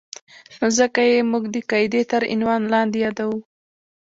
نو ځکه یې موږ د قاعدې تر عنوان لاندې یادوو.